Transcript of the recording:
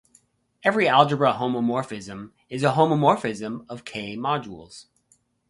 Every algebra homomorphism is a homomorphism of "K"-modules.